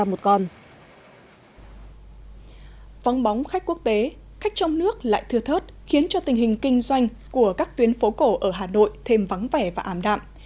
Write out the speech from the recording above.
phong bóng khách quốc tế khách trong nước lại thưa thớt khiến cho tình hình kinh doanh của các tuyến phố cổ ở hà nội thêm vắng vẻ và ảm đạm